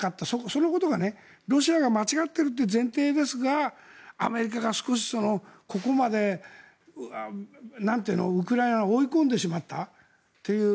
そのことがロシアが間違ってるって前提ですがアメリカがここまでウクライナを追い込んでしまったという。